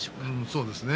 そうですね。